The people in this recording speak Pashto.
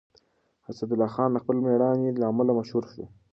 اسدالله خان د خپل مېړانې له امله مشهور شو.